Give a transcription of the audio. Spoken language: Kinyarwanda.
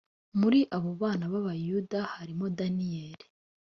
muri abo bana b abayuda harimo daniyeli